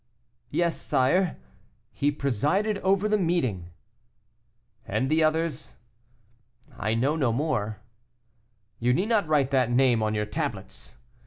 "Yes, sire; he presided over the meeting." "And the others?" "I know no more." "You need not write that name on your tablets!